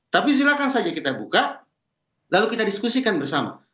tapi silakan saja kita buka lalu kita diskusikan bersama